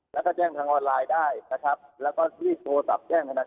แล้วก็แจ้งทางออนไลน์ได้นะครับแล้วก็รีบโทรศัพท์แจ้งธนาค